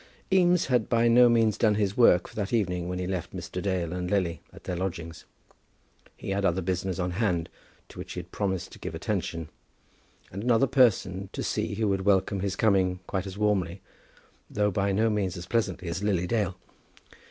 Eames had by no means done his work for that evening when he left Mr. Dale and Lily at their lodgings. He had other business on hand to which he had promised to give attention, and another person to see who would welcome his coming quite as warmly, though by no means as pleasantly, as Lily Dale.